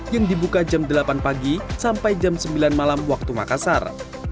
yang dibuka jam delapan pagi sampai jam sembilan malam waktu makassar